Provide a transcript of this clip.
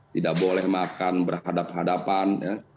tidak boleh makan berhadapan hadapan ya